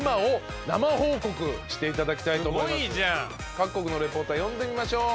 各国のリポーター呼んでみましょう。